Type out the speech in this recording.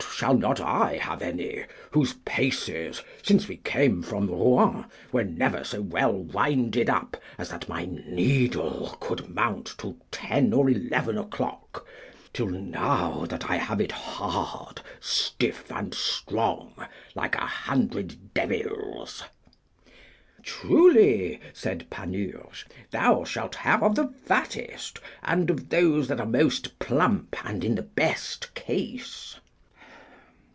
shall not I have any, whose paces, since we came from Rouen, were never so well winded up as that my needle could mount to ten or eleven o'clock, till now that I have it hard, stiff, and strong, like a hundred devils? Truly, said Panurge, thou shalt have of the fattest, and of those that are most plump and in the best case.